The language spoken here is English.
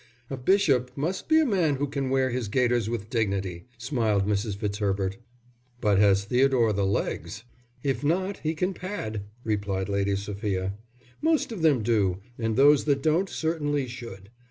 "A bishop must be a man who can wear his gaiters with dignity," smiled Mrs, Fitzherbert. "But has Theodore the legs?" "If not, he can pad," replied Lady Sophia. "Most of them do, and those that don't certainly should.